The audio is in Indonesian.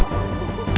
aku mau ke kanjeng itu